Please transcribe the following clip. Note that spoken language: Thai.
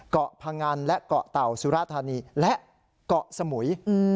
เกาะพงันและเกาะเต่าสุราธานีและเกาะสมุย